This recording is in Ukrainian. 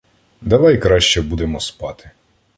Давай краще будемо спати.